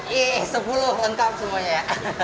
yeay sepuluh lengkap semuanya ya